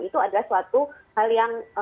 itu adalah suatu hal yang